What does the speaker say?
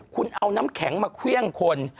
คุณเอาน้ำแข็งมาเครื่องคน